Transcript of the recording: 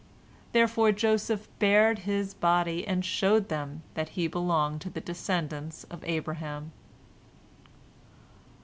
Therefore Joseph bared his body and showed them that he belonged to the descendants of Abraham.